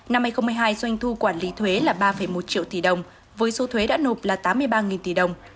năm hai nghìn một mươi hai doanh thu quản lý thuế là ba một triệu tỷ đồng với số thuế đã nộp là tám mươi ba tỷ đồng